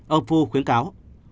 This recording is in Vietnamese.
ông phu khuyến cáo